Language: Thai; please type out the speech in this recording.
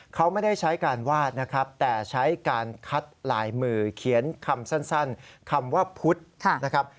เขาไม่ได้ใช้การวาดนะครับแต่ใช้การคัดลายมือเขียนคำสั้นคำว่าพุทธนะครับ